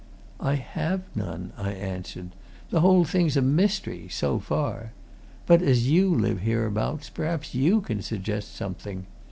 "I have none," I answered. "The whole thing's a mystery so far. But, as you live hereabouts, perhaps you can suggest something.